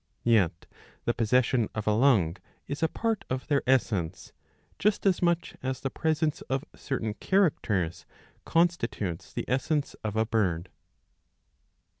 Yet the possession of a lung is a part of their essence, just as much as the presence of certain characters constitutes the essence of a bird.